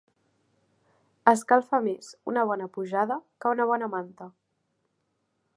Escalfa més una bona pujada que una bona manta.